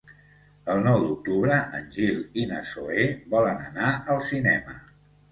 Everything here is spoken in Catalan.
El nou d'octubre en Gil i na Zoè volen anar al cinema.